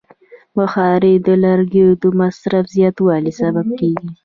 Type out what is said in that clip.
بخاري د لرګیو د مصرف زیاتوالی سبب کېږي.